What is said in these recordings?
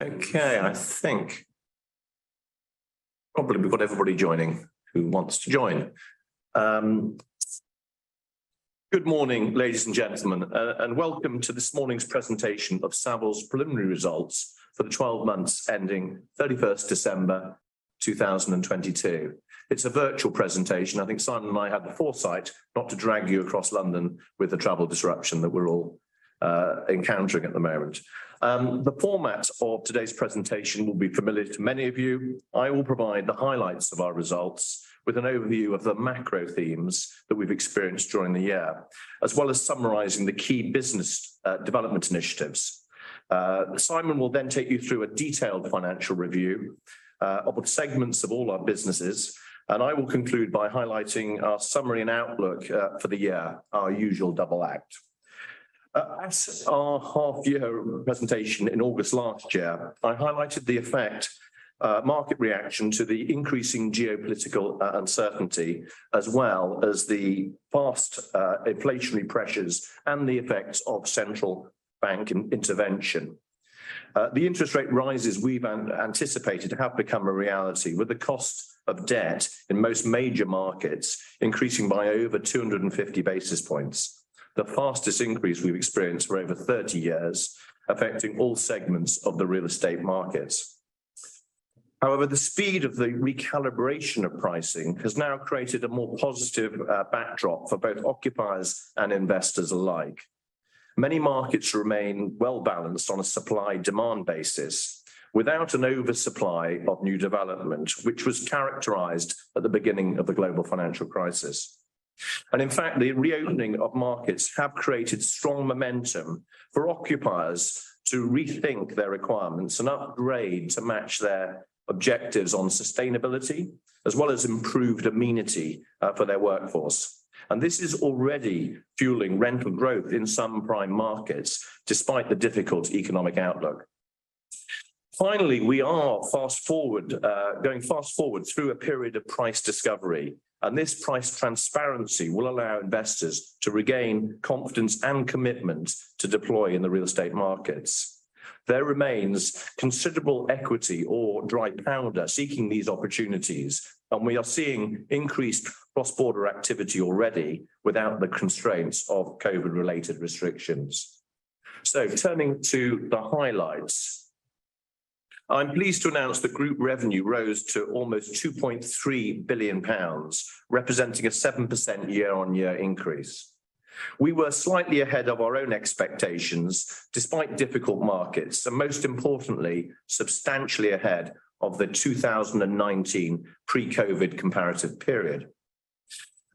Good morning, ladies and gentlemen, welcome to this morning's presentation of Savills preliminary results for the 12 months ending 31st December, 2022. It's a virtual presentation. I think Simon and I had the foresight not to drag you across London with the travel disruption that we're all encountering at the moment. The format of today's presentation will be familiar to many of you. I will provide the highlights of our results with an overview of the macro themes that we've experienced during the year, as well as summarizing the key business development initiatives. Simon will then take you through a detailed financial review of the segments of all our businesses, and I will conclude by highlighting our summary and outlook for the year, our usual double act. At our half year presentation in August last year, I highlighted the effect market reaction to the increasing geopolitical uncertainty as well as the fast inflationary pressures and the effects of central bank intervention. The interest rate rises we've anticipated have become a reality with the cost of debt in most major markets increasing by over 250 basis points. The fastest increase we've experienced for over 30 years, affecting all segments of the real estate markets. The speed of the recalibration of pricing has now created a more positive backdrop for both occupiers and investors alike. Many markets remain well balanced on a supply-demand basis without an oversupply of new development, which was characterized at the beginning of the global financial crisis. In fact, the reopening of markets have created strong momentum for occupiers to rethink their requirements and upgrade to match their objectives on sustainability, as well as improved amenity for their workforce. This is already fueling rental growth in some prime markets despite the difficult economic outlook. We are going fast forward through a period of price discovery, and this price transparency will allow investors to regain confidence and commitment to deploy in the real estate markets. There remains considerable equity or dry powder seeking these opportunities, and we are seeing increased cross-border activity already without the constraints of COVID related restrictions. Turning to the highlights, I'm pleased to announce that group revenue rose to almost 2.3 billion pounds, representing a 7% year-on-year increase. We were slightly ahead of our own expectations, despite difficult markets, and most importantly, substantially ahead of the 2019 pre-COVID comparative period.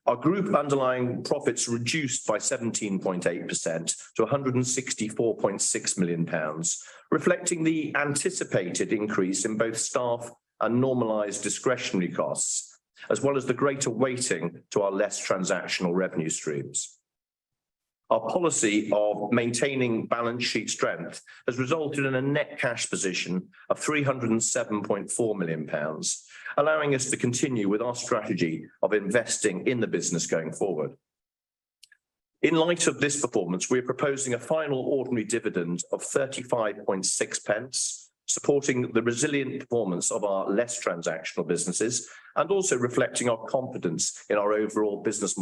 Our group underlying profits reduced by 17.8% to 164.6 million pounds, reflecting the anticipated increase in both staff and normalized discretionary costs, as well as the greater weighting to our less transactional revenue streams. Our policy of maintaining balance sheet strength has resulted in a net cash position of 307.4 million pounds, allowing us to continue with our strategy of investing in the business going forward. In light of this performance, we are proposing a final ordinary dividend of 0.356, supporting the resilient performance of our less transactional businesses and also reflecting our confidence in our overall business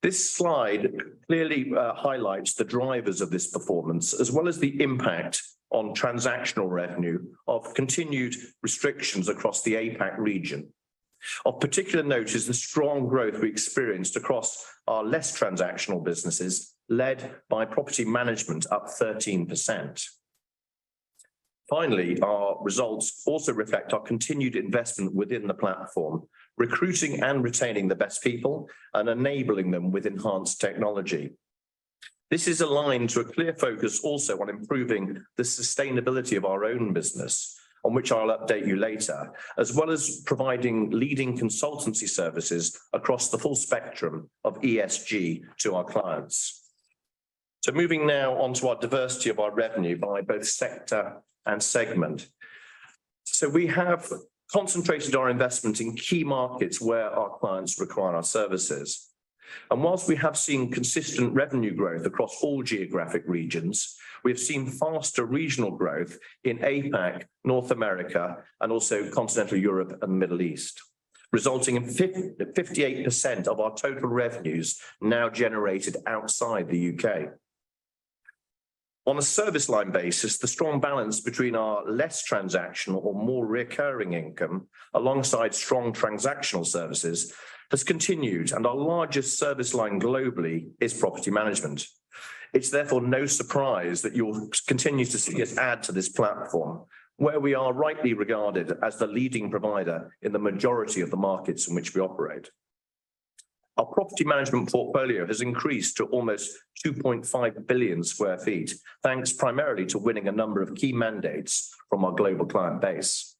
model going forward. This slide clearly highlights the drivers of this performance, as well as the impact on transactional revenue of continued restrictions across the APAC region. Of particular note is the strong growth we experienced across our less transactional businesses, led by property management, up 13%. Finally, our results also reflect our continued investment within the platform, recruiting and retaining the best people and enabling them with enhanced technology. This is aligned to a clear focus also on improving the sustainability of our own business, on which I'll update you later, as well as providing leading consultancy services across the full spectrum of ESG to our clients. Moving now on to our diversity of our revenue by both sector and segment. We have concentrated our investment in key markets where our clients require our services. Whilst we have seen consistent revenue growth across all geographic regions, we have seen faster regional growth in APAC, North America, and also Continental Europe and Middle East, resulting in 58% of our total revenues now generated outside the U.K. On a service line basis, the strong balance between our less transactional or more recurring income alongside strong transactional services has continued, and our largest service line globally is property management. It's therefore no surprise that you'll continue to see us add to this platform where we are rightly regarded as the leading provider in the majority of the markets in which we operate. Our property management portfolio has increased to almost 2.5 billion sq ft, thanks primarily to winning a number of key mandates from our global client base.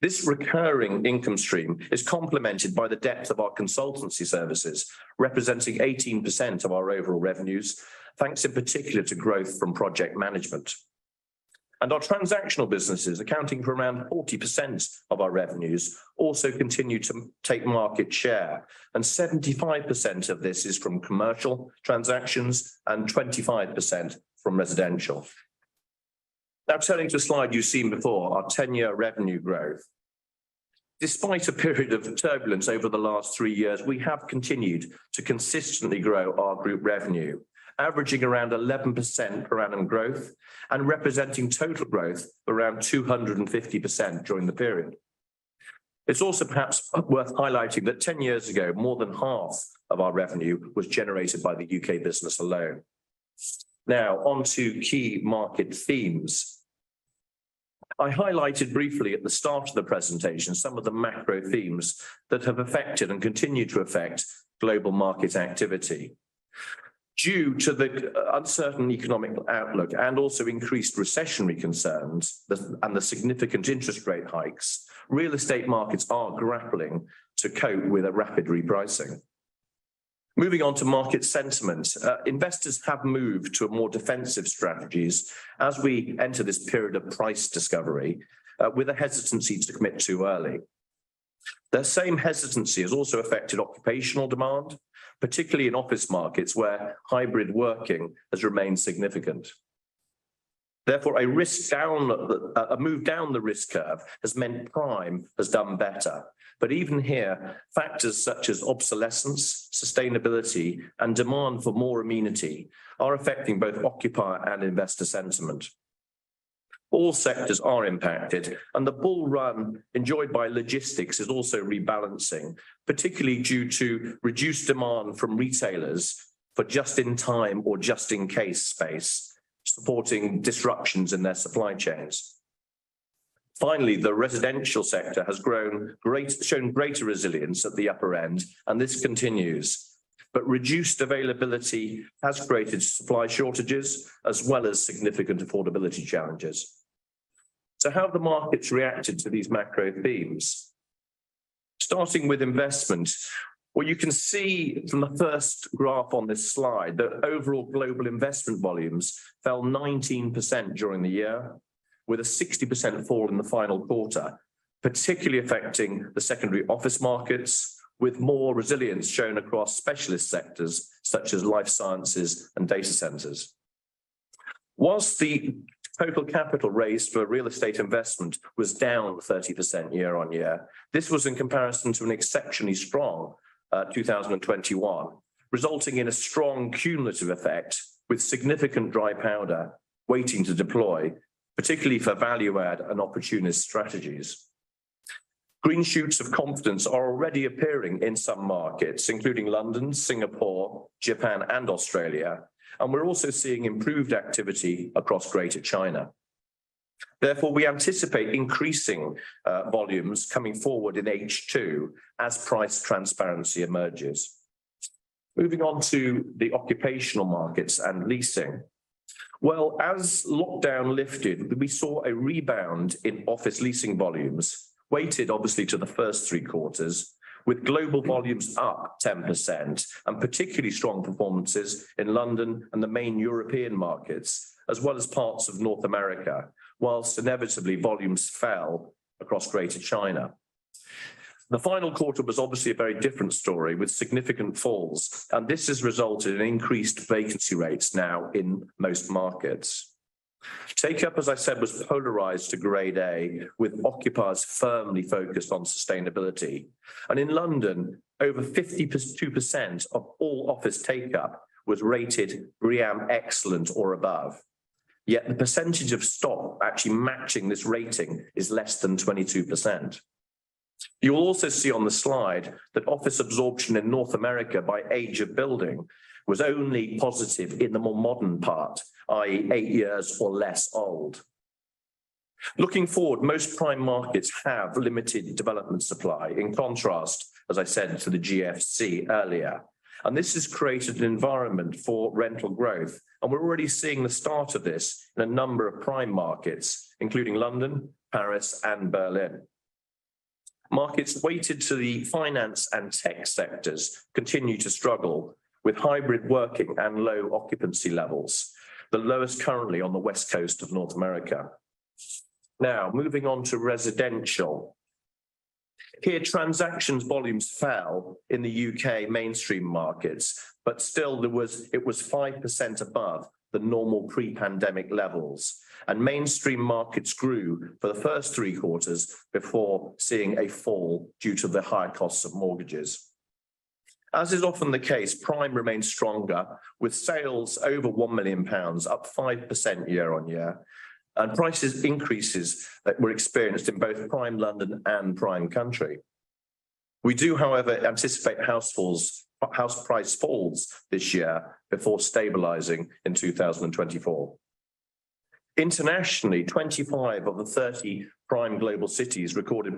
This recurring income stream is complemented by the depth of our consultancy services, representing 18% of our overall revenues, thanks in particular to growth from project management. Our transactional businesses, accounting for around 40% of our revenues, also continue to take market share. 75% of this is from commercial transactions and 25% from residential. Now turning to a slide you've seen before, our 10-year revenue growth. Despite a period of turbulence over the last three years, we have continued to consistently grow our group revenue, averaging around 11% per annum growth and representing total growth around 250% during the period. It's also perhaps worth highlighting that 10 years ago, more than half of our revenue was generated by the U.K. business alone. On to key market themes. I highlighted briefly at the start of the presentation some of the macro themes that have affected and continue to affect global market activity. Due to the uncertain economic outlook and also increased recessionary concerns, and the significant interest rate hikes, real estate markets are grappling to cope with a rapid repricing. Moving on to market sentiment. Investors have moved to a more defensive strategies as we enter this period of price discovery, with a hesitancy to commit too early. The same hesitancy has also affected occupational demand, particularly in office markets where hybrid working has remained significant. A move down the risk curve has meant prime has done better. Even here, factors such as obsolescence, sustainability, and demand for more amenity are affecting both occupier and investor sentiment. All sectors are impacted, and the bull run enjoyed by logistics is also rebalancing, particularly due to reduced demand from retailers for just-in-time or just-in-case space, supporting disruptions in their supply chains. Finally, the residential sector has shown greater resilience at the upper end, and this continues. Reduced availability has created supply shortages as well as significant affordability challenges. How have the markets reacted to these macro themes? Starting with investment, what you can see from the first graph on this slide that overall global investment volumes fell 19% during the year, with a 60% fall in the final quarter, particularly affecting the secondary office markets, with more resilience shown across specialist sectors such as life sciences and data centers. Whilst the total capital raised for real estate investment was down 30% year-on-year, this was in comparison to an exceptionally strong 2021, resulting in a strong cumulative effect with significant dry powder waiting to deploy, particularly for value-add and opportunist strategies. Green shoots of confidence are already appearing in some markets, including London, Singapore, Japan, and Australia. We're also seeing improved activity across Greater China. Therefore, we anticipate increasing volumes coming forward in H2 as price transparency emerges. Moving on to the occupational markets and leasing. Well, as lockdown lifted, we saw a rebound in office leasing volumes, weighted obviously to the first three quarters, with global volumes up 10% and particularly strong performances in London and the main European markets, as well as parts of North America, whilst inevitably volumes fell across Greater China. The final quarter was obviously a very different story with significant falls. This has resulted in increased vacancy rates now in most markets. Takeup, as I said, was polarized to Grade A, with occupiers firmly focused on sustainability. In London, over 52% of all office take-up was rated BREEAM excellent or above. The percentage of stock actually matching this rating is less than 22%. You'll also see on the slide that office absorption in North America by age of building was only positive in the more modern part, i.e., eight years or less old. Looking forward, most prime markets have limited development supply, in contrast, as I said, to the GFC earlier. This has created an environment for rental growth. We're already seeing the start of this in a number of prime markets, including London, Paris, and Berlin. Markets weighted to the finance and tech sectors continue to struggle with hybrid working and low occupancy levels, the lowest currently on the West Coast of North America. Moving on to residential. Here, transactions volumes fell in the U.K. mainstream markets, it was 5% above the normal pre-pandemic levels. Mainstream markets grew for the first three quarters before seeing a fall due to the high costs of mortgages. As is often the case, prime remains stronger, with sales over 1 million pounds up 5% year-on-year. Prices increases that were experienced in both prime London and prime country. We do, however, anticipate house price falls this year before stabilizing in 2024. Internationally, 25 of the 30 prime global cities recorded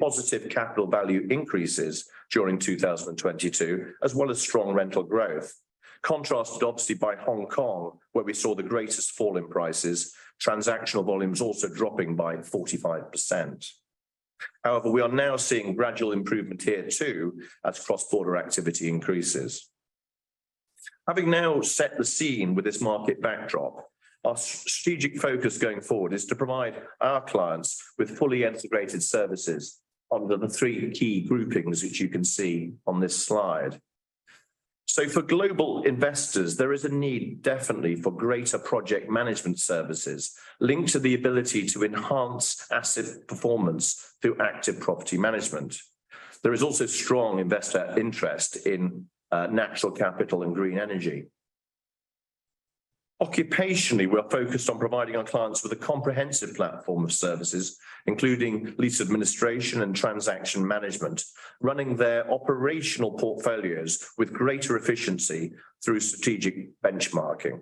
positive capital value increases during 2022, as well as strong rental growth. Contrasted obviously by Hong Kong, where we saw the greatest fall in prices, transactional volumes also dropping by 45%. We are now seeing gradual improvement here too as cross-border activity increases. Having now set the scene with this market backdrop, our strategic focus going forward is to provide our clients with fully integrated services under the three key groupings that you can see on this slide. For global investors, there is a need definitely for greater project management services linked to the ability to enhance asset performance through active property management. There is also strong investor interest in natural capital and green energy. Occupationally, we are focused on providing our clients with a comprehensive platform of services, including lease administration and transaction management, running their operational portfolios with greater efficiency through strategic benchmarking.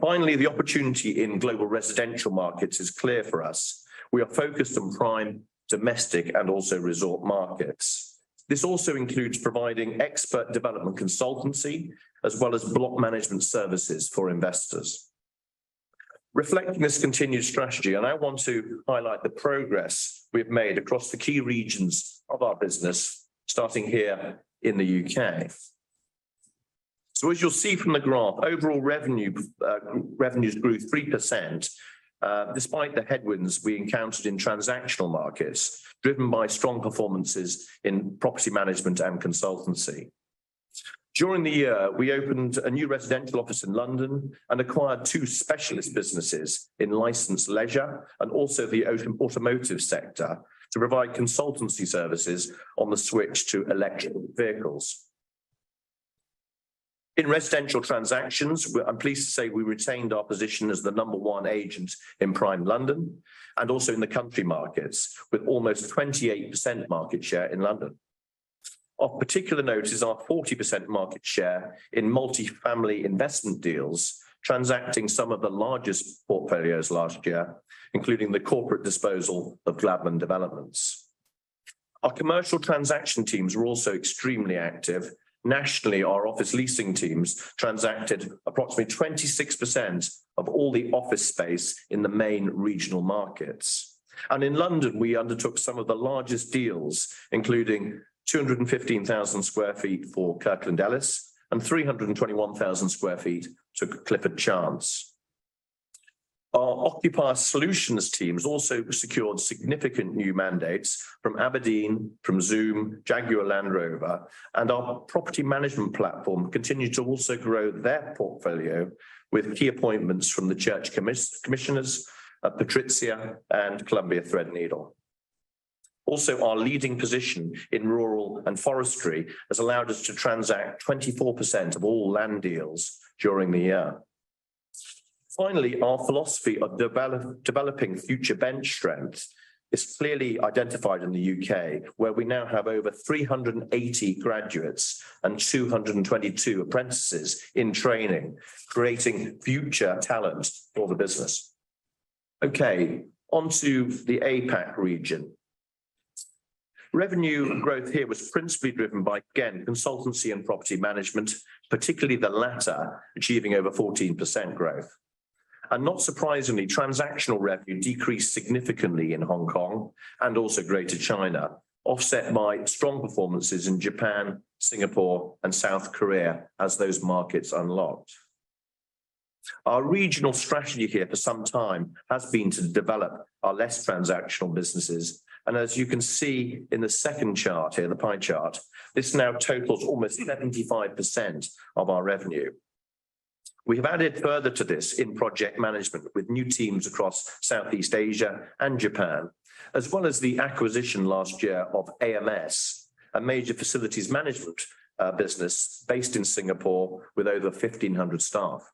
Finally, the opportunity in global residential markets is clear for us. We are focused on prime domestic and also resort markets. This also includes providing expert development consultancy as well as block management services for investors. Reflecting this continued strategy, and I want to highlight the progress we have made across the key regions of our business, starting here in the U.K. As you'll see from the graph, overall revenues grew 3% despite the headwinds we encountered in transactional markets, driven by strong performances in property management and consultancy. During the year, we opened a new residential office in London and acquired two specialist businesses in licensed leisure and also the automotive sector to provide consultancy services on the switch to electric vehicles. In residential transactions, I'm pleased to say we retained our position as the number one agent in prime London and also in the country markets, with almost 28% market share in London. Of particular note is our 40% market share in multifamily investment deals, transacting some of the largest portfolios last year, including the corporate disposal of Gladman Developments. Our commercial transaction teams were also extremely active. Nationally, our office leasing teams transacted approximately 26% of all the office space in the main regional markets. In London, we undertook some of the largest deals, including 215,000 sq ft for Kirkland & Ellis and 321,000 sq ft to Clifford Chance. Our occupier solutions teams also secured significant new mandates from Aberdeen, from Zoom, Jaguar Land Rover, and our property management platform continued to also grow their portfolio with key appointments from the Church Commissioners for England, PATRIZIA, and Columbia Threadneedle. Our leading position in rural and forestry has allowed us to transact 24% of all land deals during the year. Our philosophy of developing future bench strength is clearly identified in the U.K., where we now have over 380 graduates and 222 apprentices in training, creating future talent for the business. Onto the APAC region. Revenue growth here was principally driven by, again, consultancy and property management, particularly the latter achieving over 14% growth. Not surprisingly, transactional revenue decreased significantly in Hong Kong and Greater China, offset by strong performances in Japan, Singapore, and South Korea as those markets unlocked. Our regional strategy here for some time has been to develop our less transactional businesses. As you can see in the second chart here, the pie chart, this now totals almost 75% of our revenue. We have added further to this in project management with new teams across Southeast Asia and Japan, as well as the acquisition last year of AMS, a major facilities management business based in Singapore with over 1,500 staff.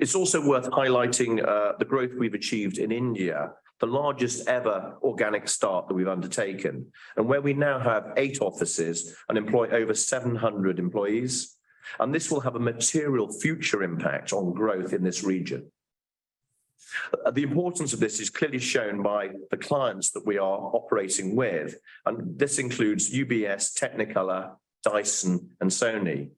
It's also worth highlighting the growth we've achieved in India, the largest ever organic start that we've undertaken, and where we now have 8 offices and employ over 700 employees, and this will have a material future impact on growth in this region. The importance of this is clearly shown by the clients that we are operating with, and this includes UBS, Technicolor, Dyson, and Sony.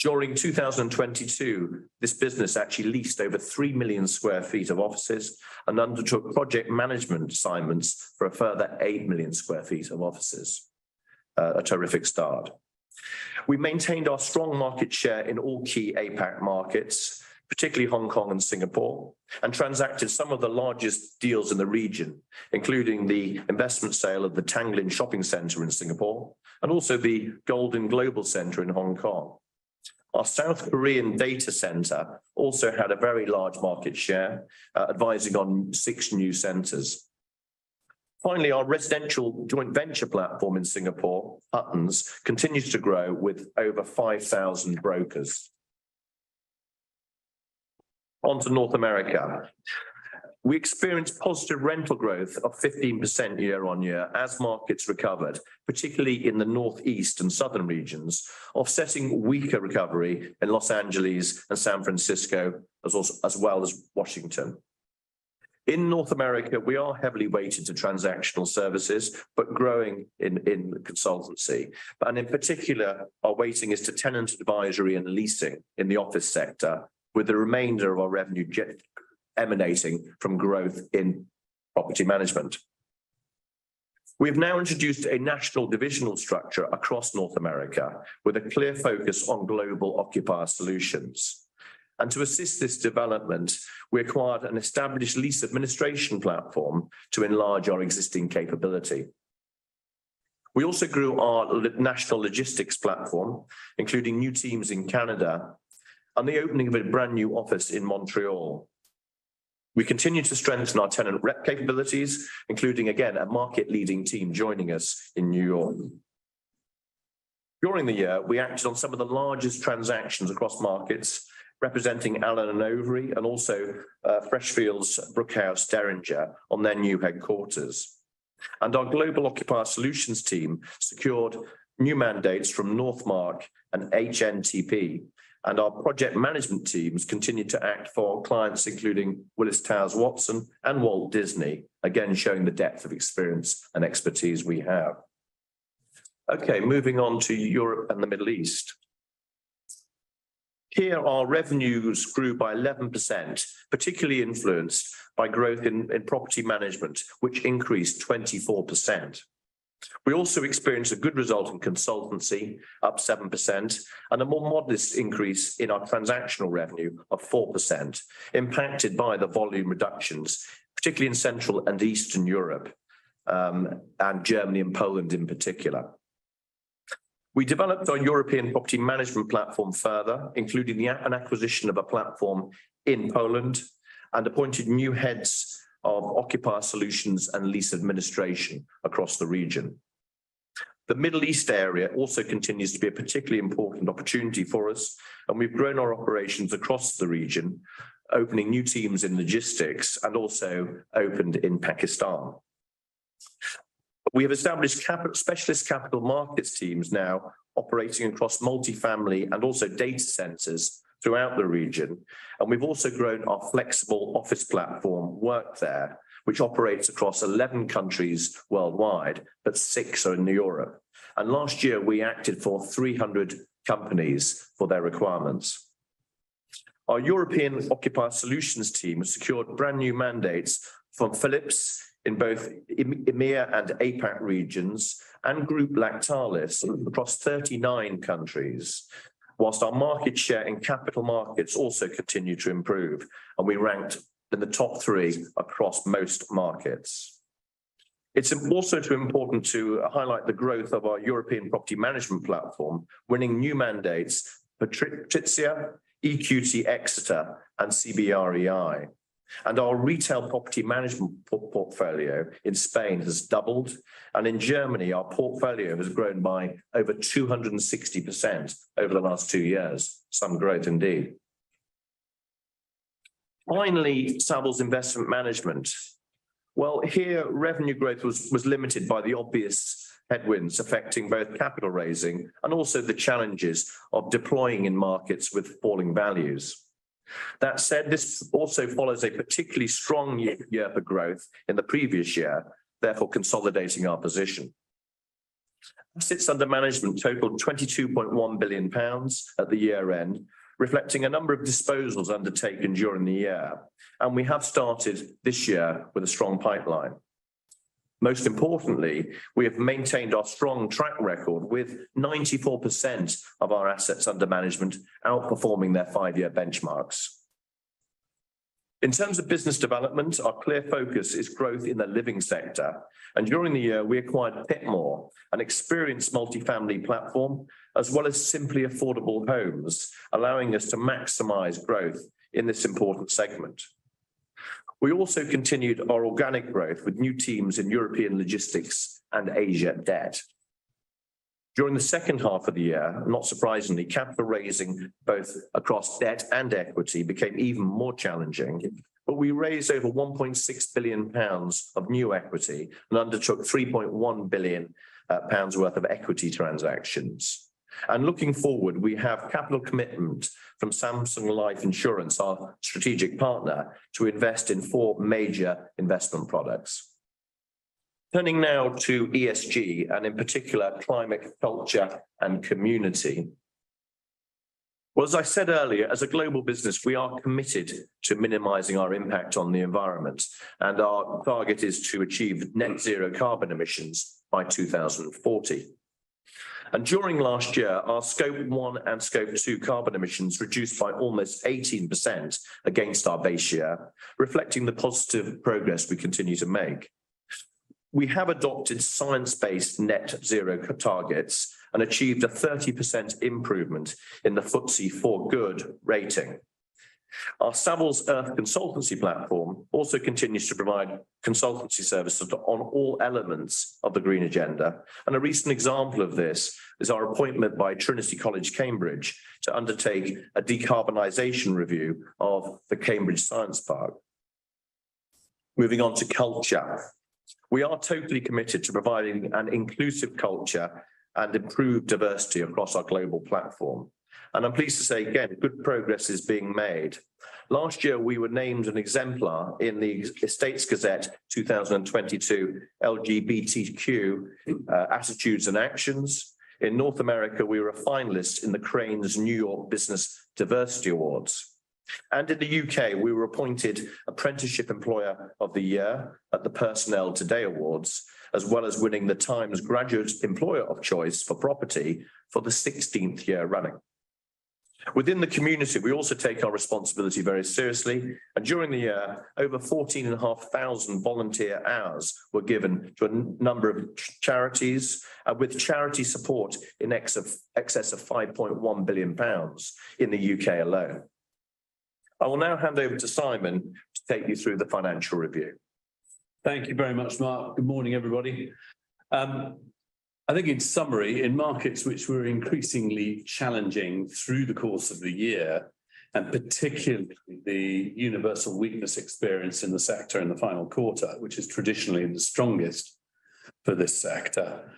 During 2022, this business actually leased over 3 million sq ft of offices and undertook project management assignments for a further 8 million sq ft of offices. A terrific start. We maintained our strong market share in all key APAC markets, particularly Hong Kong and Singapore, and transacted some of the largest deals in the region, including the investment sale of the Tanglin Shopping Centre in Singapore and also the Goldin Global Centre in Hong Kong. Our South Korean data center also had a very large market share, advising on 6 new centers. Finally, our residential joint venture platform in Singapore, Huttons, continues to grow with over 5,000 brokers. Onto North America. We experienced positive rental growth of 15% year-on-year as markets recovered, particularly in the Northeast and Southern regions, offsetting weaker recovery in Los Angeles and San Francisco, as well as Washington. In North America, we are heavily weighted to transactional services, but growing in consultancy. In particular, our weighting is to tenant advisory and leasing in the office sector, with the remainder of our revenue emanating from growth in property management. We have now introduced a national divisional structure across North America with a clear focus on global occupier solutions. To assist this development, we acquired an established lease administration platform to enlarge our existing capability. We also grew our national logistics platform, including new teams in Canada and the opening of a brand-new office in Montreal. We continued to strengthen our tenant rep capabilities, including, again, a market-leading team joining us in New York. During the year, we acted on some of the largest transactions across markets, representing Allen & Overy and also Freshfields Bruckhaus Deringer on their new headquarters. Our global occupier solutions team secured new mandates from NorthMarq and HNTB. Our project management teams continued to act for clients, including Willis Towers Watson and Walt Disney, again, showing the depth of experience and expertise we have. Okay, moving on to Europe and the Middle East. Here, our revenues grew by 11%, particularly influenced by growth in property management, which increased 24%. We also experienced a good result in consultancy, up 7%, and a more modest increase in our transactional revenue of 4%, impacted by the volume reductions, particularly in Central and Eastern Europe, and Germany and Poland in particular. We developed our European property management platform further, including an acquisition of a platform in Poland, and appointed new heads of occupier solutions and lease administration across the region. The Middle East area also continues to be a particularly important opportunity for us, and we've grown our operations across the region, opening new teams in logistics and also opened in Pakistan. We have established specialist capital markets teams now operating across multifamily and also data centers throughout the region, and we've also grown our flexible office platform, Workthere, which operates across 11 countries worldwide, but 6 are in Europe. Last year, we acted for 300 companies for their requirements. Our European occupier solutions team secured brand-new mandates from Philips in both EMEA and APAC regions and Lactalis Group across 39 countries, whilst our market share in capital markets also continued to improve, and we ranked in the top 3 across most markets. It's also too important to highlight the growth of our European property management platform, winning new mandates for TrizecHahn, EQT Exeter, and CBREi. Our retail property management portfolio in Spain has doubled, and in Germany, our portfolio has grown by over 260% over the last two years. Some growth indeed. Finally, Savills Investment Management. Well, here revenue growth was limited by the obvious headwinds affecting both capital raising and also the challenges of deploying in markets with falling values. That said, this also follows a particularly strong year for growth in the previous year, therefore consolidating our position. Assets under management totaled 22.1 billion pounds at the year-end, reflecting a number of disposals undertaken during the year. We have started this year with a strong pipeline. Most importantly, we have maintained our strong track record, with 94% of our assets under management outperforming their five-year benchmarks. In terms of business development, our clear focus is growth in the living sector. During the year, we acquired Pitmore, an experienced multifamily platform, as well as Simply Affordable Homes, allowing us to maximize growth in this important segment. We also continued our organic growth with new teams in European logistics and Asia debt. During the second half of the year, not surprisingly, capital raising, both across debt and equity, became even more challenging, but we raised over 1.6 billion pounds of new equity and undertook 3.1 billion pounds worth of equity transactions. Looking forward, we have capital commitment from Samsung Life Insurance, our strategic partner, to invest in four major investment products. Turning now to ESG and, in particular, climate, culture, and community. Well, as I said earlier, as a global business, we are committed to minimizing our impact on the environment, and our target is to achieve net zero carbon emissions by 2040. During last year, our Scope 1 and Scope 2 carbon emissions reduced by almost 18% against our base year, reflecting the positive progress we continue to make. We have adopted science-based net-zero targets and achieved a 30% improvement in the FTSE4Good rating. Our Savills Earth consultancy platform also continues to provide consultancy services on all elements of the green agenda, and a recent example of this is our appointment by Trinity College, Cambridge to undertake a decarbonization review of the Cambridge Science Park. Moving on to culture. We are totally committed to providing an inclusive culture and improve diversity across our global platform, and I'm pleased to say, again, good progress is being made. Last year, we were named an exemplar in the Estates Gazette 2022 LGBTQ attitudes and actions. In North America, we were a finalist in the Crain's New York Business Diversity Awards. In the U.K., we were appointed Apprenticeship Employer of the Year at the Personnel Today Awards, as well as winning The Times Graduate Employer of Choice for Property for the 16th year running. Within the community, we also take our responsibility very seriously, and during the year, over 14,500 volunteer hours were given to a number of charities, with charity support in excess of 5.1 billion pounds in the U.K. alone. I will now hand over to Simon to take you through the financial review. Thank you very much, Mark. Good morning, everybody. I think in summary, in markets which were increasingly challenging through the course of the year, and particularly the universal weakness experience in the sector in the final quarter, which is traditionally the strongest for this sector,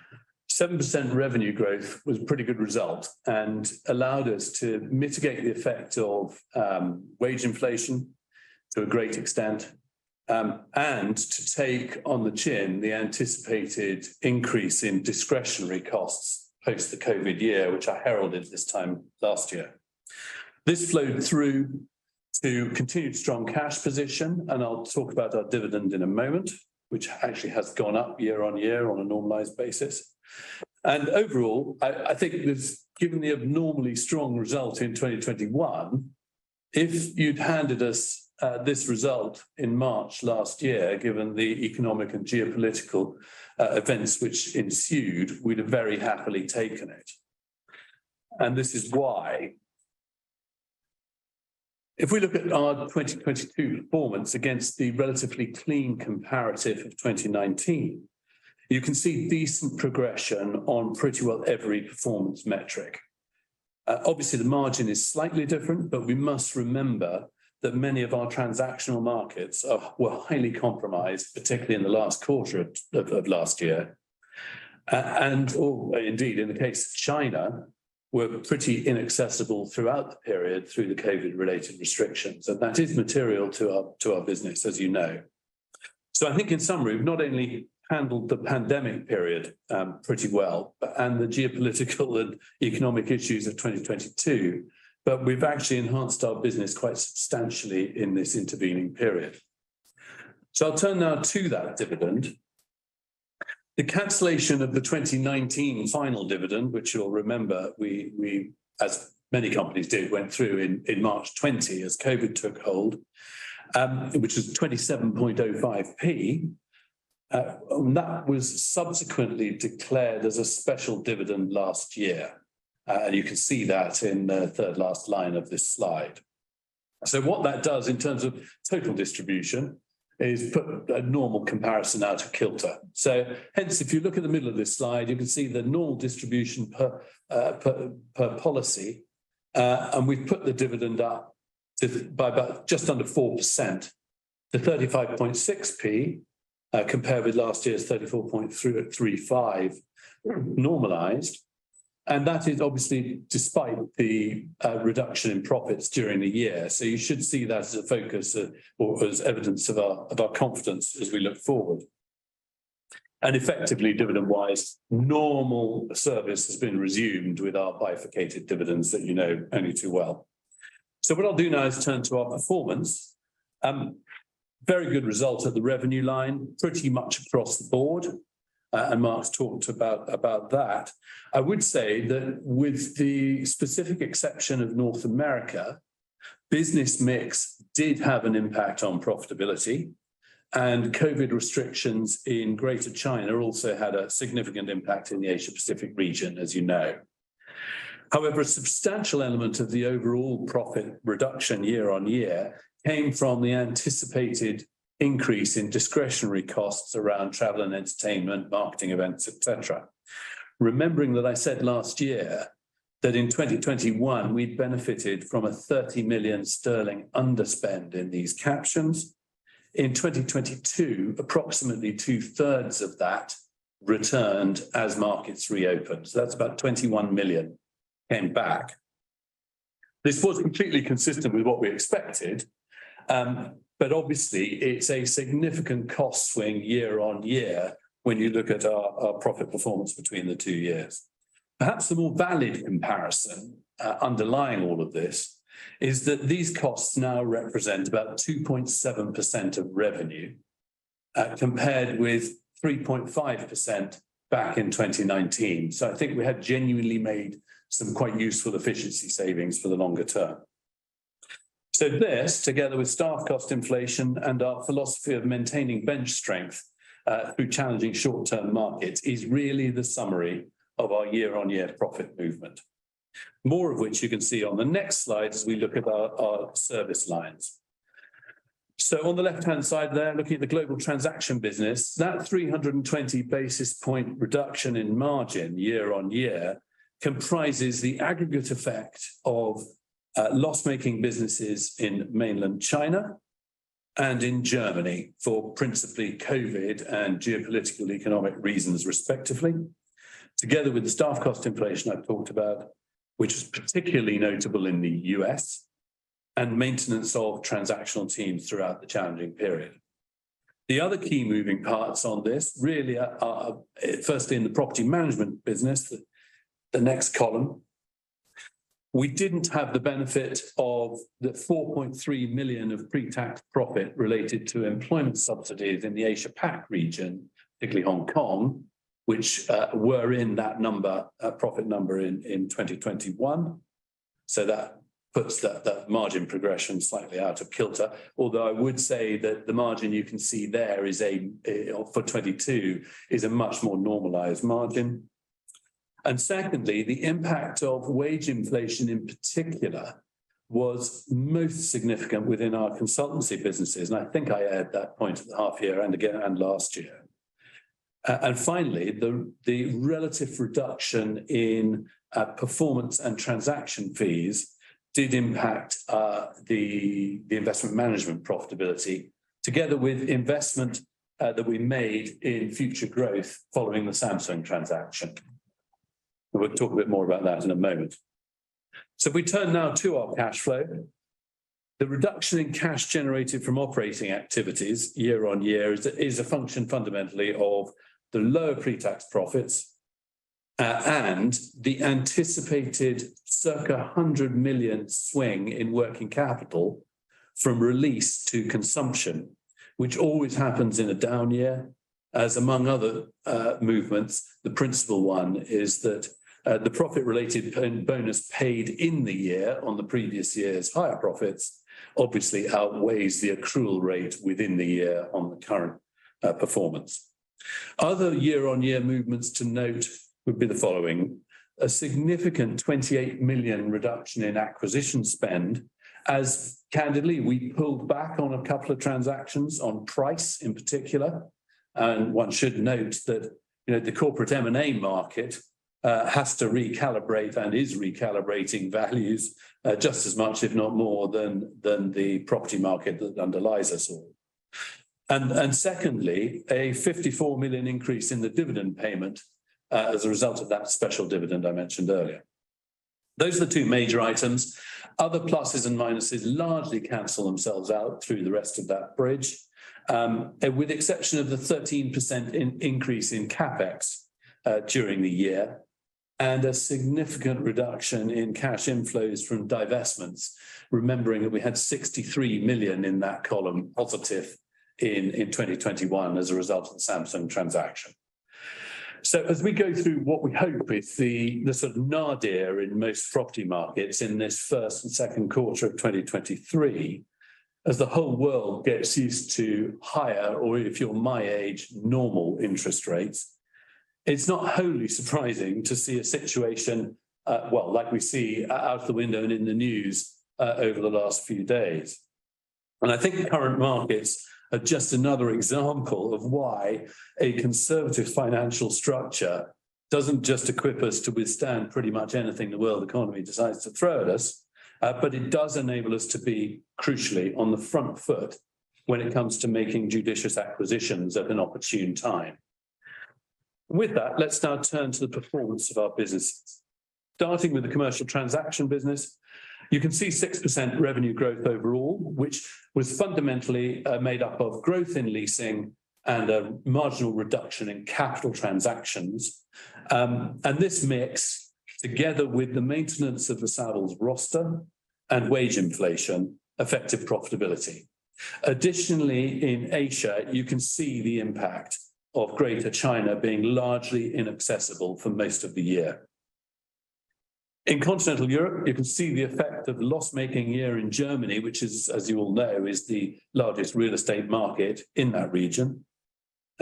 7% revenue growth was a pretty good result, and allowed us to mitigate the effect of wage inflation to a great extent. And to take on the chin the anticipated increase in discretionary costs post the COVID year, which I heralded this time last year. This flowed through to continued strong cash position, and I'll talk about our dividend in a moment, which actually has gone up year-on-year on a normalized basis. Overall, I think it was, given the abnormally strong result in 2021, if you'd handed us this result in March last year, given the economic and geopolitical events which ensued, we'd have very happily taken it. This is why. If we look at our 2022 performance against the relatively clean comparative of 2019, you can see decent progression on pretty well every performance metric. Obviously the margin is slightly different, but we must remember that many of our transactional markets were highly compromised, particularly in the last quarter of last year. Or, indeed, in the case of China, were pretty inaccessible throughout the period through the COVID-related restrictions, and that is material to our business, as you know. I think in summary, we've not only handled the pandemic period pretty well, but, and the geopolitical and economic issues of 2022, but we've actually enhanced our business quite substantially in this intervening period. I'll turn now to that dividend. The cancellation of the 2019 final dividend, which you'll remember we, as many companies did, went through in March 2020 as COVID took hold, which was 27.05p. That was subsequently declared as a special dividend last year. You can see that in the third last line of this slide. What that does in terms of total distribution is put a normal comparison out of kilter. Hence, if you look at the middle of this slide, you can see the normal distribution per policy. We've put the dividend up by just under 4% to 0.356, compared with last year's 0.3435 normalized. That is obviously despite the reduction in profits during the year. You should see that as a focus of, or as evidence of our confidence as we look forward. Effectively, dividend-wise, normal service has been resumed with our bifurcated dividends that you know only too well. What I'll do now is turn to our performance. Very good result at the revenue line, pretty much across the board, Mark's talked about that. I would say that with the specific exception of North America, business mix did have an impact on profitability, and COVID restrictions in Greater China also had a significant impact in the Asia-Pacific region, as you know. A substantial element of the overall profit reduction year-over-year came from the anticipated increase in discretionary costs around travel and entertainment, marketing events, et cetera. Remembering that I said last year that in 2021 we benefited from a 30 million sterling underspend in these captions. In 2022, approximately 2/3 of that returned as markets reopened. That's about 21 million came back. This was completely consistent with what we expected, obviously it's a significant cost swing year-over-year when you look at our profit performance between the two years. Perhaps the more valid comparison underlying all of this, is that these costs now represent about 2.7% of revenue compared with 3.5% back in 2019. I think we have genuinely made some quite useful efficiency savings for the longer term. This, together with staff cost inflation and our philosophy of maintaining bench strength through challenging short-term markets, is really the summary of our year-on-year profit movement. More of which you can see on the next slide as we look at our service lines. On the left-hand side there, looking at the global transaction business, that 320 basis point reduction in margin year-on-year comprises the aggregate effect of loss-making businesses in mainland China and in Germany for principally COVID and geopolitical economic reasons respectively. Together with the staff cost inflation I've talked about, which is particularly notable in the U.S., and maintenance of transactional teams throughout the challenging period. The other key moving parts on this really are, firstly in the property management business, the next column. We didn't have the benefit of the 4.3 million of pre-tax profit related to employment subsidies in the Asia-Pac region, particularly Hong Kong, which were in that number, profit number in 2021. That puts that margin progression slightly out of kilter. Although I would say that the margin you can see there for 2022 is a much more normalized margin. Secondly, the impact of wage inflation in particular was most significant within our consultancy businesses, and I think I added that point at the half-year and again and last year. Finally, the relative reduction in performance and transaction fees did impact the Investment Management profitability together with investment that we made in future growth following the Samsung transaction. We'll talk a bit more about that in a moment. If we turn now to our cash flow, the reduction in cash generated from operating activities year-on-year is a function fundamentally of the lower pre-tax profits and the anticipated circa 100 million swing in working capital from release to consumption, which always happens in a down year, as among other movements. The principal one is that the profit related bonus paid in the year on the previous year's higher profits obviously outweighs the accrual rate within the year on the current performance. Other year-on-year movements to note would be the following. A significant 28 million reduction in acquisition spend as candidly, we pulled back on a couple of transactions on price in particular. One should note that, you know, the corporate M&A market has to recalibrate and is recalibrating values, just as much, if not more than, the property market that underlies us all. Secondly, a 54 million increase in the dividend payment, as a result of that special dividend I mentioned earlier. Those are the two major items. Other pluses and minuses largely cancel themselves out through the rest of that bridge, with the exception of the 13% increase in CapEx during the year, and a significant reduction in cash inflows from divestments, remembering that we had 63 million in that column positive in 2021 as a result of the Samsung transaction. As we go through what we hope is the sort of nadir in most property markets in this first and second quarter of 2023, as the whole world gets used to higher, or if you're my age, normal interest rates, it's not wholly surprising to see a situation, well, like we see out of the window and in the news, over the last few days. I think current markets are just another example of why a conservative financial structure doesn't just equip us to withstand pretty much anything the world economy decides to throw at us, but it does enable us to be crucially on the front foot when it comes to making judicious acquisitions at an opportune time. With that, let's now turn to the performance of our businesses. Starting with the commercial transaction business, you can see 6% revenue growth overall, which was fundamentally made up of growth in leasing and a marginal reduction in capital transactions. This mix, together with the maintenance of the Savills roster and wage inflation, affected profitability. Additionally, in Asia, you can see the impact of Greater China being largely inaccessible for most of the year. In Continental Europe, you can see the effect of the loss-making year in Germany, which is, as you all know, is the largest real estate market in that region.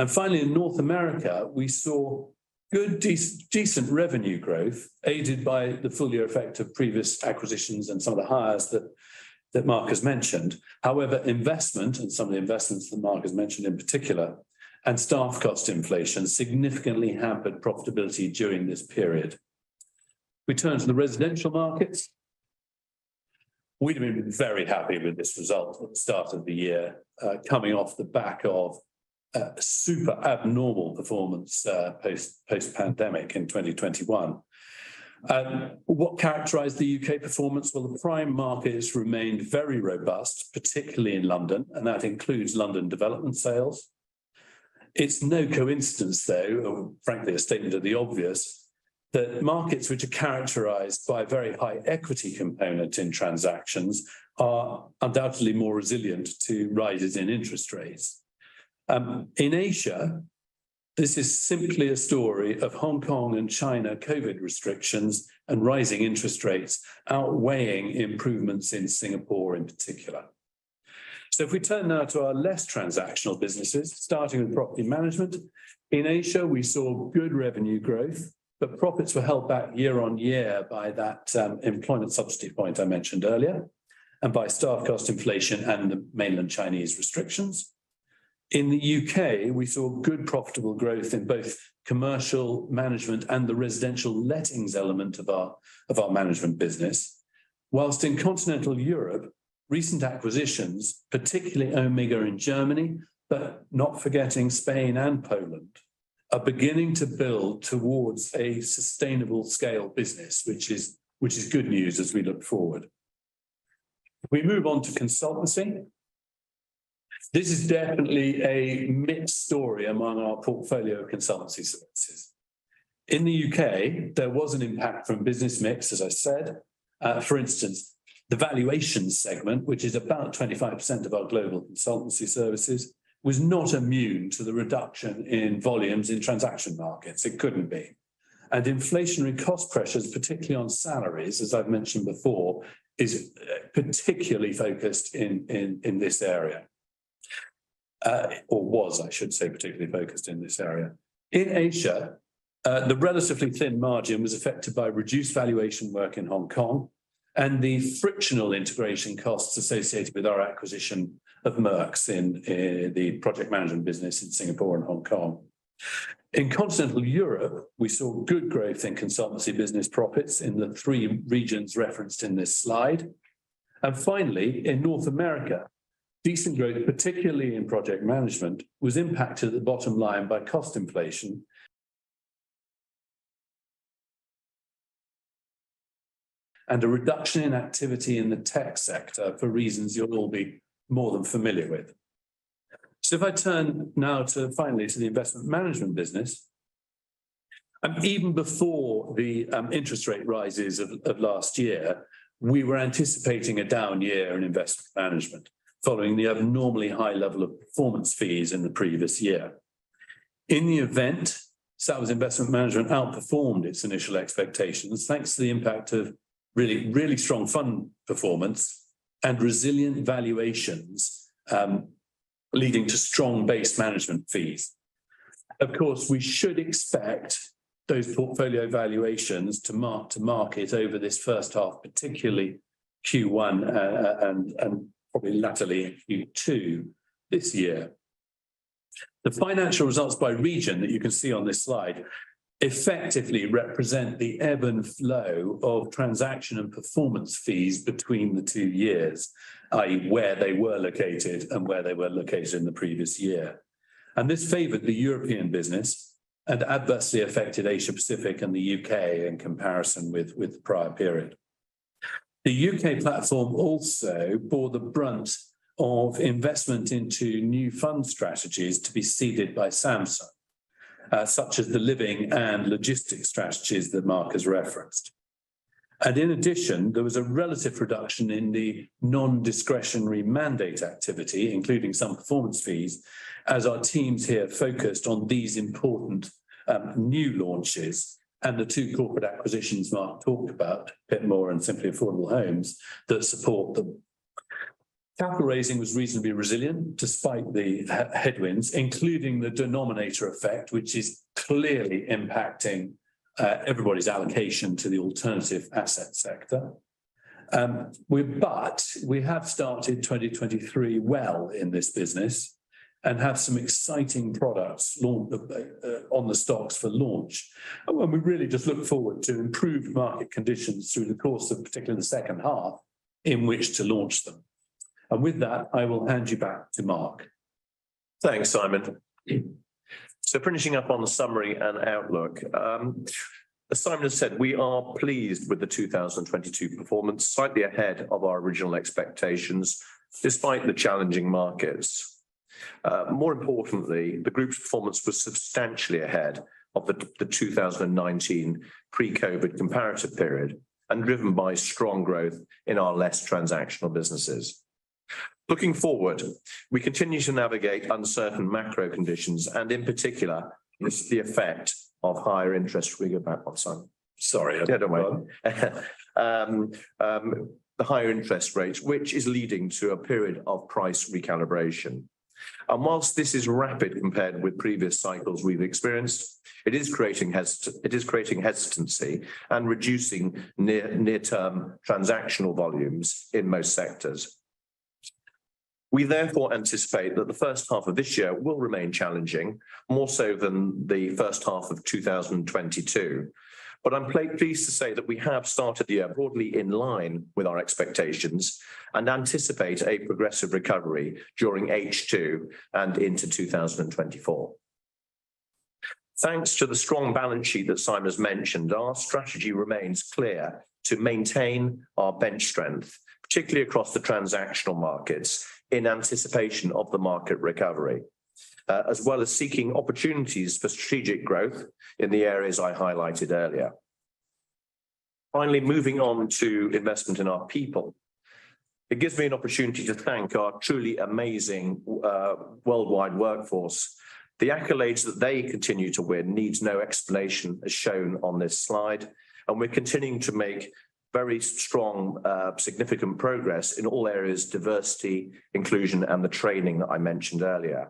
Finally, in North America, we saw good decent revenue growth, aided by the full year effect of previous acquisitions and some of the hires that Mark has mentioned. However, investment and some of the investments that Mark has mentioned in particular, and staff cost inflation significantly hampered profitability during this period. We turn to the residential markets. We'd have been very happy with this result at the start of the year, coming off the back of a super abnormal performance post-pandemic in 2021. What characterized the U.K. performance? Well, the prime markets remained very robust, particularly in London, and that includes London development sales. It's no coincidence, though, or frankly, a statement of the obvious, that markets which are characterized by a very high equity component in transactions are undoubtedly more resilient to rises in interest rates. In Asia, this is simply a story of Hong Kong and China COVID restrictions and rising interest rates outweighing improvements in Singapore in particular. If we turn now to our less transactional businesses, starting with property management. In Asia, we saw good revenue growth, but profits were held back year-over-year by that employment subsidy point I mentioned earlier, and by staff cost inflation and the mainland Chinese restrictions. In the U.K., we saw good profitable growth in both commercial management and the residential lettings element of our management business. Whilst in continental Europe, recent acquisitions, particularly OMEGA in Germany, but not forgetting Spain and Poland, are beginning to build towards a sustainable scale business, which is good news as we look forward. We move on to consultancy. This is definitely a mixed story among our portfolio of consultancy services. In the U.K., there was an impact from business mix, as I said. For instance, the valuation segment, which is about 25% of our global consultancy services, was not immune to the reduction in volumes in transaction markets. It couldn't be. Inflationary cost pressures, particularly on salaries, as I've mentioned before, is particularly focused in this area. Or was, I should say, particularly focused in this area. In Asia, the relatively thin margin was affected by reduced valuation work in Hong Kong and the frictional integration costs associated with our acquisition of Merx in the project management business in Singapore and Hong Kong. In Continental Europe, we saw good growth in consultancy business profits in the three regions referenced in this slide. Finally, in North America, decent growth, particularly in project management, was impacted at the bottom line by cost inflation and a reduction in activity in the tech sector for reasons you'll all be more than familiar with. If I turn now to finally to Investment Management business, and even before the interest rate rises of last year, we were anticipating a down year Investment Management following the abnormally high level of performance fees in the previous year. In the event, Investment Management outperformed its initial expectations, thanks to the impact of really strong fund performance and resilient valuations, leading to strong base management fees. Of course, we should expect those portfolio valuations to mark to market over this first half, particularly Q1 and probably laterally in Q2 this year. The financial results by region that you can see on this slide effectively represent the ebb and flow of transaction and performance fees between the two years, i.e., where they were located and where they were located in the previous year. This favored the European business and adversely affected Asia-Pacific and the U.K. in comparison with the prior period. The U.K. platform also bore the brunt of investment into new fund strategies to be seeded by Samsung, such as the living and logistics strategies that Mark has referenced. In addition, there was a relative reduction in the non-discretionary mandate activity, including some performance fees, as our teams here focused on these important new launches and the two corporate acquisitions Mark talked about, Pitmore and Simply Affordable Homes, that support them. Capital raising was reasonably resilient despite the headwinds, including the denominator effect, which is clearly impacting everybody's allocation to the alternative asset sector. We have started 2023 well in this business and have some exciting products on the stocks for launch. We really just look forward to improved market conditions through the course of, particularly the second half, in which to launch them. With that, I will hand you back to Mark. Thanks, Simon. Finishing up on the summary and outlook. As Simon has said, we are pleased with the 2022 performance, slightly ahead of our original expectations despite the challenging markets. More importantly, the group's performance was substantially ahead of the 2019 pre-COVID comparative period and driven by strong growth in our less transactional businesses. Looking forward, we continue to navigate uncertain macro conditions and in particular, the effect of higher interest. We go back one slide. Sorry, I went one. The higher interest rates, which is leading to a period of price recalibration. Whilst this is rapid compared with previous cycles we've experienced, it is creating hesitancy and reducing near-term transactional volumes in most sectors. We therefore anticipate that the first half of this year will remain challenging, more so than the first half of 2022. I'm pleased to say that we have started the year broadly in line with our expectations and anticipate a progressive recovery during H2 and into 2024. Thanks to the strong balance sheet that Simon's mentioned, our strategy remains clear to maintain our bench strength, particularly across the transactional markets in anticipation of the market recovery, as well as seeking opportunities for strategic growth in the areas I highlighted earlier. Finally, moving on to investment in our people. It gives me an opportunity to thank our truly amazing worldwide workforce. The accolades that they continue to win needs no explanation as shown on this slide. We're continuing to make very strong, significant progress in all areas, diversity, inclusion, and the training that I mentioned earlier.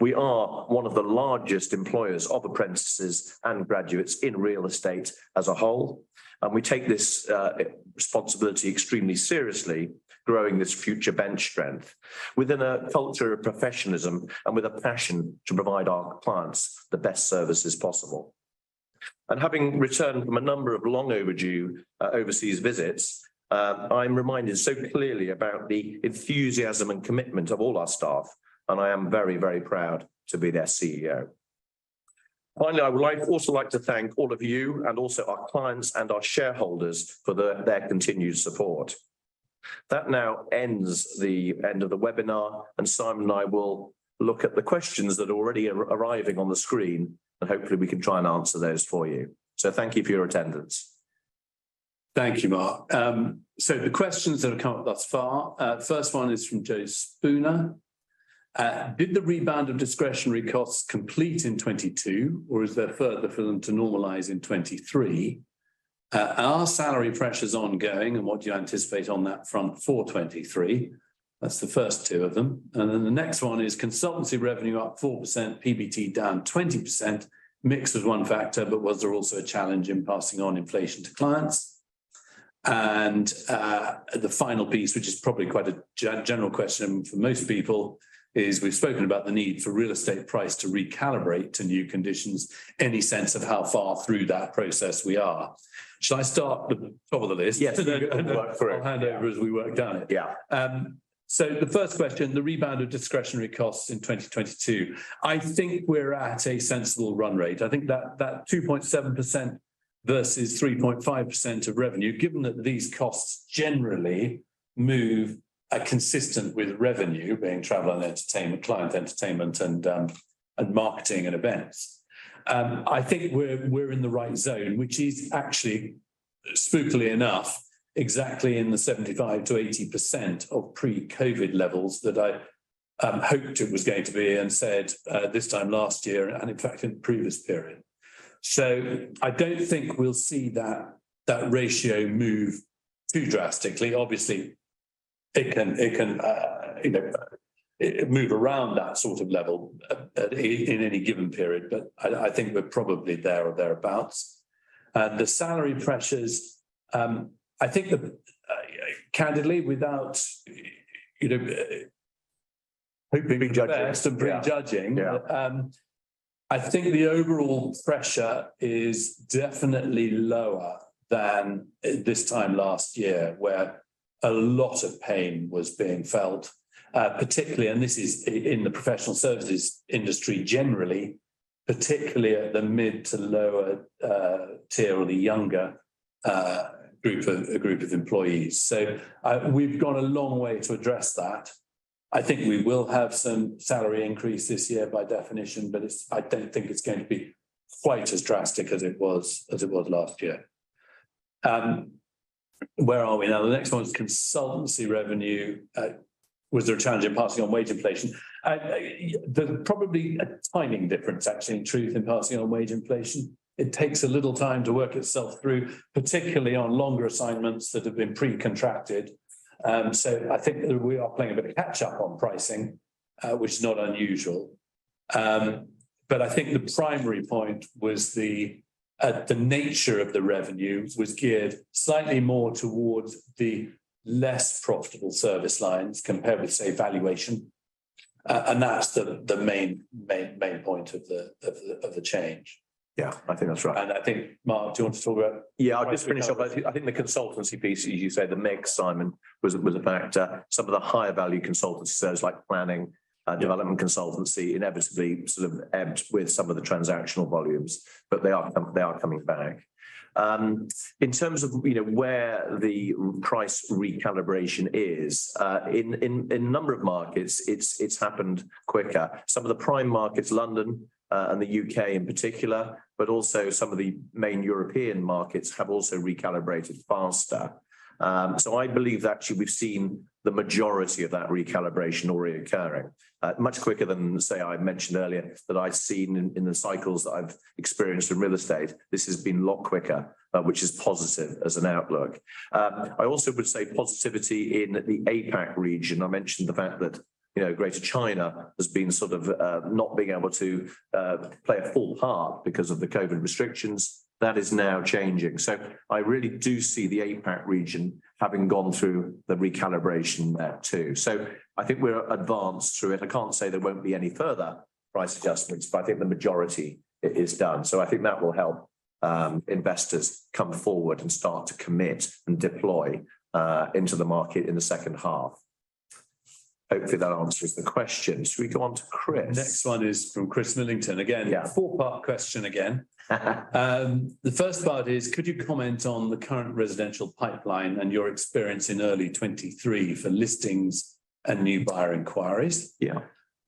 We are one of the largest employers of apprentices and graduates in real estate as a whole, and we take this responsibility extremely seriously, growing this future bench strength within a culture of professionalism and with a passion to provide our clients the best services possible. Having returned from a number of long overdue, overseas visits, I'm reminded so clearly about the enthusiasm and commitment of all our staff, and I am very, very proud to be their CEO. Finally, I would like also like to thank all of you and also our clients and our shareholders for their continued support. That now ends the end of the webinar, and Simon and I will look at the questions that are already arriving on the screen, and hopefully we can try and answer those for you. Thank you for your attendance. Thank you, Mark. The questions that have come up thus far. First one is from Joseph Spooner. "Did the rebound of discretionary costs complete in 2022, or is there further for them to normalize in 2023? Are salary pressures ongoing, and what do you anticipate on that front for 2023?" That's the first two of them. The next one is, "Consultancy revenue up 4%, PBT down 20%. Mix was one factor, but was there also a challenge in passing on inflation to clients?" The final piece, which is probably quite a general question for most people is, "We've spoken about the need for real estate price to recalibrate to new conditions. Any sense of how far through that process we are?" Shall I start with the top of the list? Yes, and then work through it. I'll hand over as we work down it. Yeah. The first question, the rebound of discretionary costs in 2022. I think we're at a sensible run rate. I think that 2.7% versus 3.5% of revenue, given that these costs generally move consistent with revenue, being travel and entertainment, client entertainment, and marketing and events. I think we're in the right zone, which is actually, spookily enough, exactly in the 75%-80% of pre-COVID levels that I hoped it was going to be and said this time last year and in fact in the previous period. I don't think we'll see that ratio move too drastically. Obviously, it can, you know, move around that sort of level in any given period. I think we're probably there or thereabouts. The salary pressures, I think, candidly, without, you know, judging. Hope to be judged. I think the overall pressure is definitely lower than this time last year, where a lot of pain was being felt. Particularly, and this is in the professional services industry generally, particularly at the mid to lower tier or the younger group of employees. We've gone a long way to address that. I think we will have some salary increase this year by definition, but it's, I don't think it's going to be quite as drastic as it was last year. Where are we now? The next one's consultancy revenue. "Was there a challenge in passing on wage inflation?" There's probably a timing difference actually in truth in passing on wage inflation. It takes a little time to work itself through, particularly on longer assignments that have been pre-contracted. I think we are playing a bit of catch up on pricing, which is not unusual. I think the primary point was the nature of the revenue was geared slightly more towards the less profitable service lines compared with, say, valuation. That's the main point of the change. Yeah, I think that's right. I think, Mark, do you want to talk about price? Yeah, I'll just finish off. I think the consultancy piece, as you say, the mix, Simon, was a factor. Some of the higher value consultancy services like planning, development consultancy inevitably sort of ebbed with some of the transactional volumes. They are coming back. In terms of, you know, where the price recalibration is, in a number of markets, it's happened quicker. Some of the prime markets, London, and the U.K. in particular, but also some of the main European markets have also recalibrated faster. So I believe actually we've seen the majority of that recalibration already occurring, much quicker than, say, I mentioned earlier, that I've seen in the cycles that I've experienced with real estate. This has been a lot quicker, which is positive as an outlook. I also would say positivity in the APAC region. I mentioned the fact that, you know, Greater China has been sort of, not being able to play a full part because of the COVID restrictions. That is now changing. I really do see the APAC region having gone through the recalibration there too. I think we're advanced through it. I can't say there won't be any further price adjustments, but I think the majority is done. I think that will help investors come forward and start to commit and deploy into the market in the second half. Hopefully that answers the question. Shall we go on to Chris? Next one is from Christopher Millington. Yeah Four-part question again. The first part is, "Could you comment on the current residential pipeline and your experience in early 2023 for listings and new buyer inquiries?" Yeah.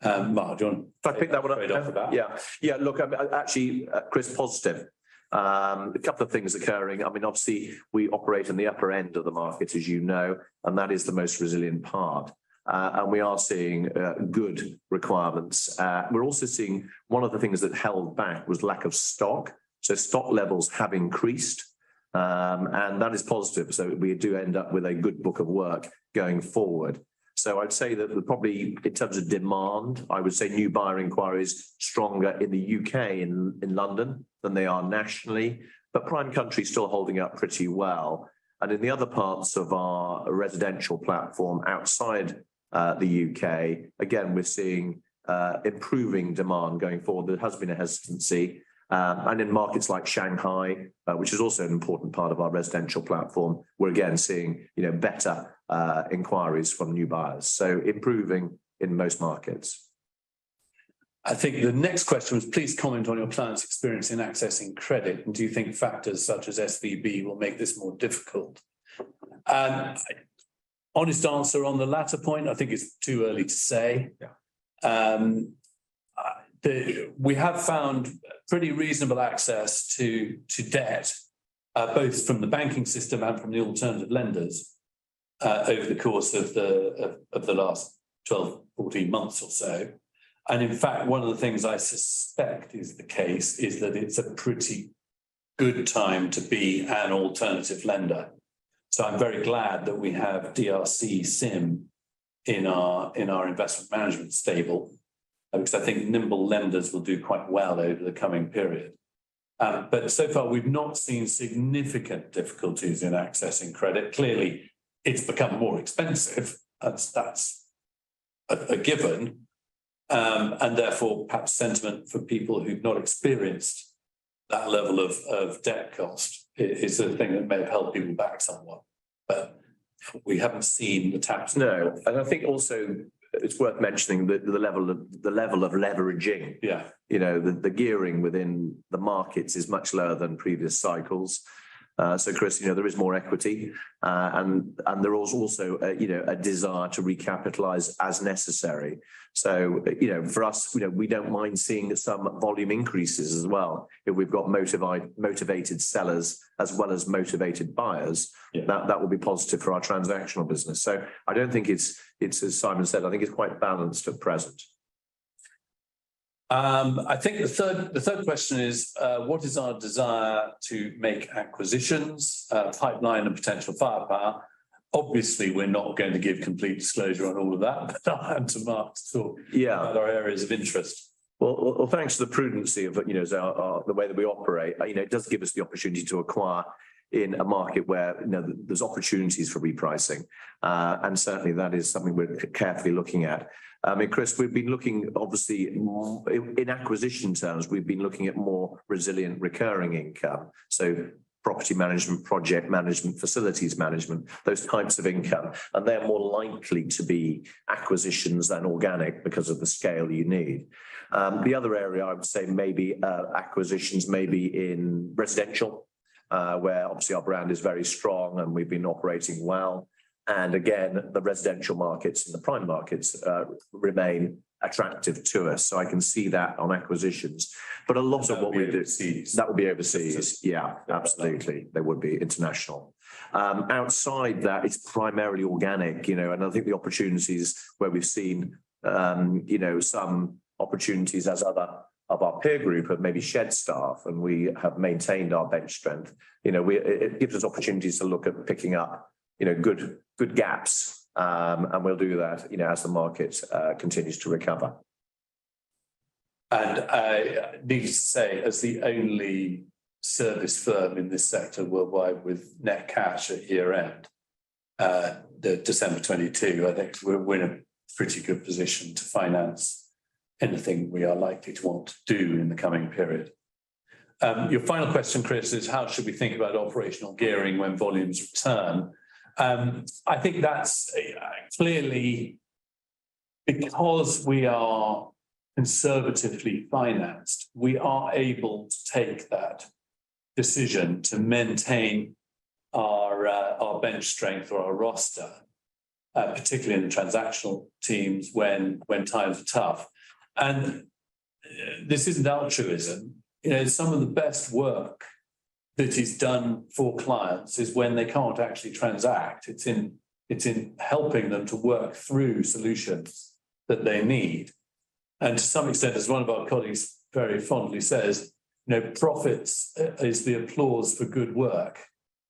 Mark, do you want to trade off for that? Shall I pick that one up? Yeah, look, actually, Chris, positive. A couple of things occurring. I mean, obviously, we operate in the upper end of the market, as you know, and that is the most resilient part. We are seeing good requirements. We're also seeing one of the things that held back was lack of stock, so stock levels have increased. That is positive, so we do end up with a good book of work going forward. I'd say that probably in terms of demand, I would say new buyer inquiry is stronger in the U.K., in London than they are nationally. Prime country is still holding up pretty well. In the other parts of our residential platform outside the U.K., again, we're seeing improving demand going forward. There has been a hesitancy, and in markets like Shanghai, which is also an important part of our residential platform, we're again seeing, you know, better inquiries from new buyers, improving in most markets. I think the next question was please comment on your clients' experience in accessing credit, "And do you think factors such as SVB will make this more difficult?" Honest answer on the latter point, I think it's too early to say. We have found pretty reasonable access to debt, both from the banking system and from the alternative lenders, over the course of the last 12, 14 months or so. In fact, one of the things I suspect is the case is that it's a pretty good time to be an alternative lender. I'm very glad that we have DRC SIM in our Investment Management stable, 'cause I think nimble lenders will do quite well over the coming period. So far we've not seen significant difficulties in accessing credit. Clearly, it's become more expensive. That's a given. Therefore perhaps sentiment for people who've not experienced that level of debt cost is the thing that may have held people back somewhat. We haven't seen the taps... No. I think also it's worth mentioning the level of leveraging. Yeah. You know, the gearing within the markets is much lower than previous cycles. Chris, you know, there is more equity. And there's also a, you know, a desire to recapitalize as necessary. You know, for us, you know, we don't mind seeing some volume increases as well if we've got motivated sellers as well as motivated buyers. Yeah. That will be positive for our transactional business. I don't think it's as Simon said, I think it's quite balanced at present. I think the third question is, "What is our desire to make acquisitions, pipeline and potential firepower?" Obviously, we are not going to give complete disclosure on all of that and to Mark. Yeah Other areas of interest. Well, well, well, thanks to the prudency of, you know, as our, the way that we operate, you know, it does give us the opportunity to acquire in a market where, you know, there's opportunities for repricing. Certainly that is something we're carefully looking at. Chris, we've been looking obviously in acquisition terms, we've been looking at more resilient recurring income, so property management, project management, facilities management, those types of income, and they're more likely to be acquisitions than organic because of the scale you need. The other area I would say maybe acquisitions may be in residential, where obviously our brand is very strong and we've been operating well, and again, the residential markets and the prime markets remain attractive to us. I can see that on acquisitions. A lot of what we do. That would be overseas. That would be overseas. Yeah, absolutely. They would be international. Outside that it's primarily organic, you know, and I think the opportunities where we've seen, you know, some opportunities as other of our peer group have maybe shed staff and we have maintained our bench strength. You know, it gives us opportunities to look at picking up, you know, good gaps. And we'll do that, you know, as the market continues to recover. Needless to say, as the only service firm in this sector worldwide with net cash at year end, the December 2022, I think we're in a pretty good position to finance anything we are likely to want to do in the coming period. Your final question, Chris, is "How should we think about operational gearing when volumes return?" I think that's clearly because we are conservatively financed, we are able to take that decision to maintain our bench strength or our roster, particularly in the transactional teams when times are tough, and this isn't altruism. You know, some of the best work that is done for clients is when they can't actually transact. It's in helping them to work through solutions that they need. To some extent, as one of our colleagues very fondly says, "No profits is the applause for good work."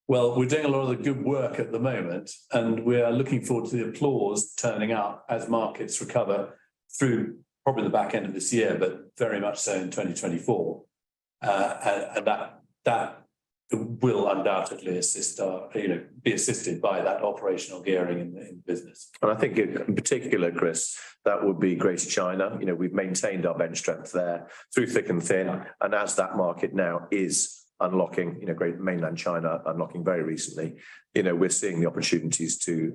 We're doing a lot of the good work at the moment, and we are looking forward to the applause turning up as markets recover through probably the back end of this year, but very much so in 2024. That will undoubtedly be assisted by that operational gearing in business. I think in particular, Chris, that would be Greater China. You know, we've maintained our bench strength there through thick and thin. Yeah. As that market now is unlocking, you know, Great, Mainland China unlocking very recently, you know, we are seeing the opportunities to,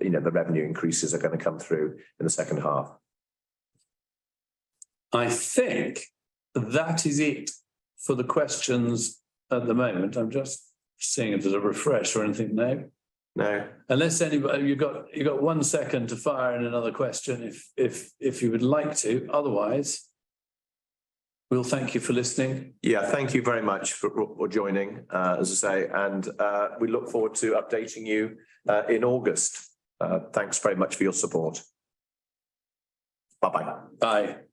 you know, the revenue increases are gonna come through in the second half. I think that is it for the questions at the moment. I'm just seeing if there's a refresh or anything. No? No. You got one second to fire in another question if you would like to. Otherwise, we'll thank you for listening. Yeah. Thank you very much for joining, as I say, and we look forward to updating you in August. Thanks very much for your support. Bye-bye now. Bye.